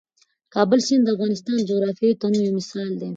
د کابل سیند د افغانستان د جغرافیوي تنوع یو مثال دی.